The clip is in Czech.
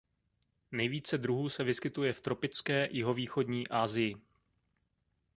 Nejvíce druhů se vyskytuje v tropické jihovýchodní Asii.